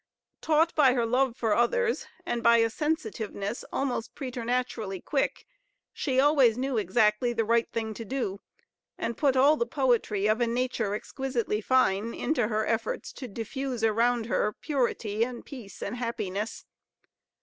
Taught by her love for others, and by a sensitiveness almost preternaturally quick, "she always knew exactly the right thing to do," and put all the poetry of a nature exquisitely fine into her efforts to diffuse around her purity and peace and happiness.